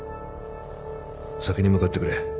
先に向かってくれ。